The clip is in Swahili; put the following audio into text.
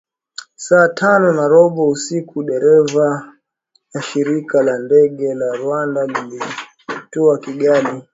Saa tano na robo usiku ndege ya shirika la ndege la Rwanda ilitua Kigali